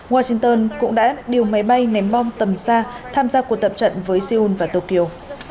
washington cũng đã điều máy bay ném bom tầm xa tham gia cuộc tập trận với seoul và tokyo